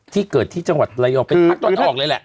ที่เกิดที่จังหวัดรายยองเป็นภักดิ์ต่อออกเลยแหละ